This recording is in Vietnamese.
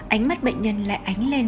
ánh mắt bệnh nhân lại ánh lên